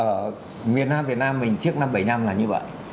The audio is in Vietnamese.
ở miền nam việt nam mình trước năm bảy năm là như vậy